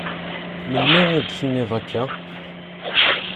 Melmi i d-tenniḍ akka?